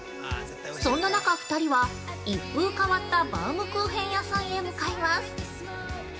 そんな中２人は、一風変わったバウムクーヘン屋さんへ向かいます。